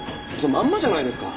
まんまじゃないですか。